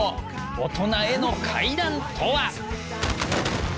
大人への階段とは？